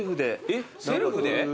えっセルフで？